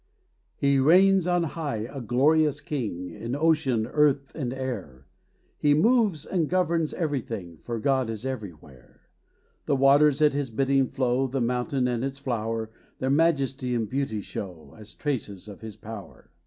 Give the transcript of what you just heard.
He reigns on high, a glorious King, In ocean, earth, and air; He moves and governs every thing, For God is every where. The waters at his bidding flow, The mountain and its flower Their majesty and beauty show, As traces of his power.